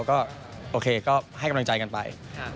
ก็โอเคก็ให้กำลังใจกันไป